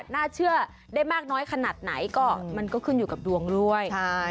น่าเชื่อได้มากน้อยขนาดไหนก็มันก็ขึ้นอยู่กับดวงด้วย